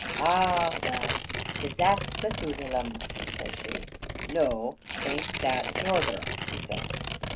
"A well, is that Methusalem?" says she. "Noo, t'ain't that norther," he says.